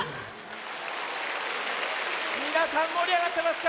みなさんもりあがってますか？